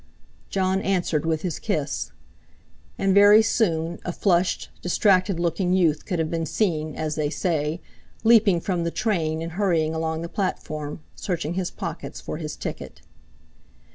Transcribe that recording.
Jon answered with his kiss. And very soon, a flushed, distracted looking youth could have been seen—as they say—leaping from the train and hurrying along the platform, searching his pockets for his ticket.